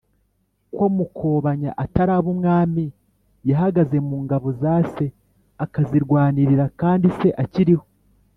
ko mukobanya ataraba umwami yahagaze mu ngabo za se akazirwanirira kandi se akiriho